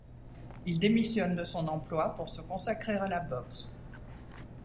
Il démissionne de son emploi pour se consacrer à la boxe.